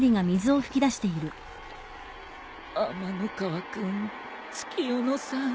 天ノ河君月夜野さん。